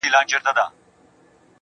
څومره دي ښايست ورباندي ټك واهه~